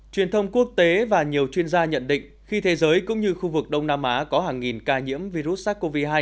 truyền thông quốc tế và nhiều chuyên gia nhận định khi thế giới cũng như khu vực đông nam á có hàng nghìn ca nhiễm virus sars cov hai